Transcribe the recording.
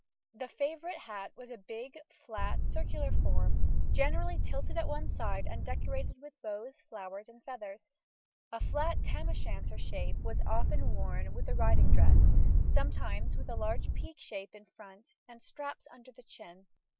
The favourite hat was a big, flat, circular form, generally tilted at one side, and decorated with bows, flowers, and feathers; a flat tam o' shanter shape was often worn with the riding dress, sometimes with a large peak shape in front, and straps under the chin.